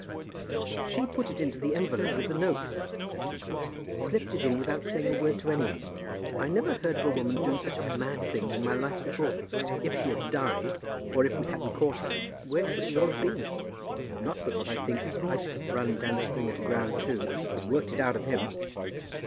"She put it into the envelope with the notes," said Toogood; "slipped it in without saying a word to any one. I never heard of a woman doing such a mad thing in my life before. If she had died, or if we hadn't caught her, where should we all have been? Not but what I think I should have run Dan Stringer to ground too, and worked it out of him."